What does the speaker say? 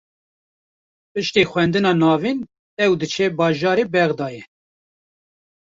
Piştî xwendina navîn, ew diçe bajarê Bexdayê